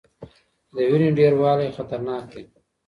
د وینې ډیروالی خطرناک دی.